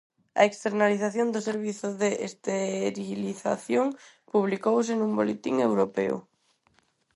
A externalización do servizo de esterilización publicouse nun boletín europeo.